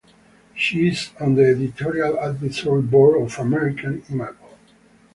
She is on the Editorial Advisory Board of American Imago.